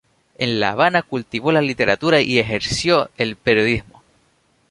En La Habana cultivó la literatura y ejerció el periodismo.